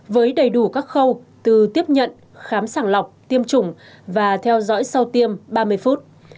với đầy đủ các khâu từ tiếp nhận khám sẵn lọc tiêm chủng và theo dõi các khâu từ tiếp nhận